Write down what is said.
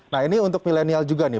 nah ini untuk milenial juga nih